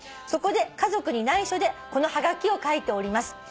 「そこで家族に内緒でこのはがきを書いております」